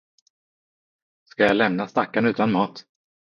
Ska jag lämna stackarn utan mat.